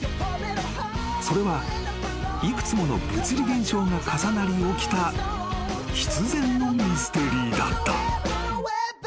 ［それは幾つもの物理現象が重なり起きた必然のミステリーだった］